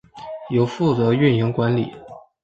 由负责运营管理。